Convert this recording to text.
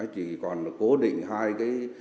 chỉ còn cố định hai cái